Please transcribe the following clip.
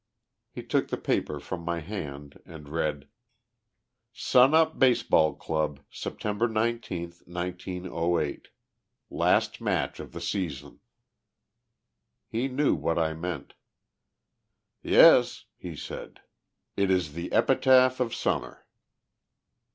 He took the paper from my hand and read: "Sun up Baseball Club. September 19, 1908. Last Match of the Season" He knew what I meant. "Yes!" he said. "It is the epitaph of Summer."